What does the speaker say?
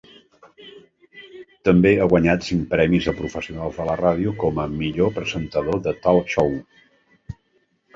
També ha guanyat cinc premis a professionals de la ràdio com a Millor presentador de Talk Show.